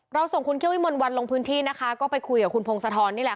เราส่งคุณเฮียวิมวันวันลงพื้นที่นะคะก็ไปคุยกับคุณภงสะท้อนนี่แหละ